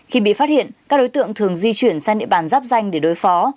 khi bị phát hiện các đối tượng thường di chuyển sang địa bàn giáp danh để đối phó